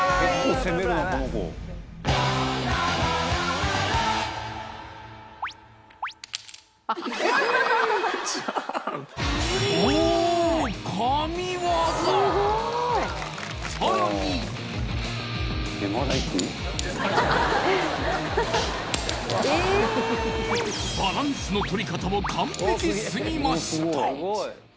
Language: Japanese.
神技っさらにバランスのとり方も完璧すぎました